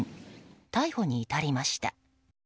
逮捕に至りました。